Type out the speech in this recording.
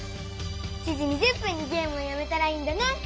７時２０分にゲームをやめたらいいんだね！